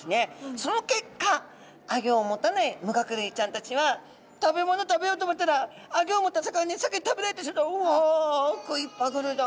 その結果アギョを持たない無顎類ちゃんたちは食べ物食べようと思ったらアギョを持った魚に先に食べられてうわ食いっぱぐれだ。